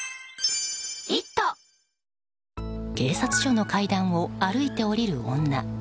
警察署の階段を歩いて下りる女。